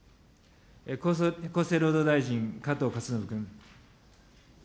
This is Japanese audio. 厚生労働大臣、加藤勝信君。